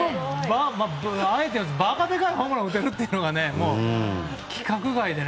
バカでかいホームランを打てるというのが規格外で。